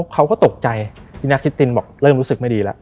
เขาก็ตกใจพี่นักคิดตินบอกเริ่มรู้สึกไม่ดีแล้ว